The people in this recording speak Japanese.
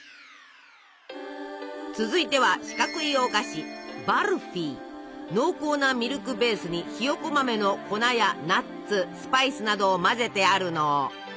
続いては四角いお菓子濃厚なミルクベースにひよこ豆の粉やナッツスパイスなどを混ぜてあるの。